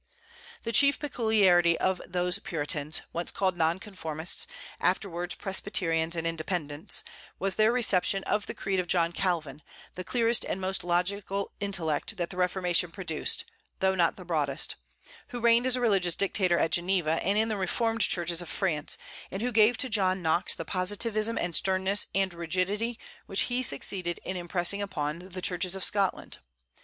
The chief peculiarity of those Puritans once called Nonconformists, afterwards Presbyterians and Independents was their reception of the creed of John Calvin, the clearest and most logical intellect that the Reformation produced, though not the broadest; who reigned as a religious dictator at Geneva and in the Reformed churches of France, and who gave to John Knox the positivism and sternness and rigidity which he succeeded in impressing upon the churches of Scotland.